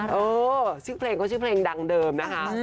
เออชื่อเพลงก็ชื่อเพลงดังเดิมนะคะ